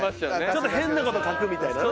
ちょっと変な事書くみたいなね。